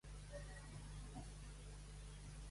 Qui no vol parlar amb l'administració?